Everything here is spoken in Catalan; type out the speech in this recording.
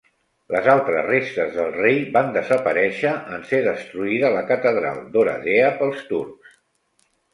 Les altres restes del rei van desaparèixer en ser destruïda la catedral d'Oradea pels turcs.